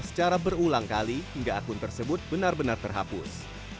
secara berulang kali hingga akun tersebut benar benar terhapus